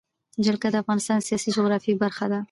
جلګه د افغانستان د سیاسي جغرافیه برخه ده.